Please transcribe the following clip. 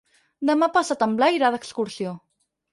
Demà passat en Blai irà d'excursió.